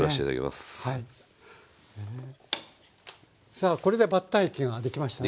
さあこれでバッター液ができましたね。